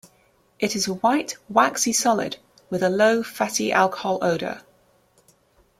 It is a white waxy solid with a low fatty alcohol odor.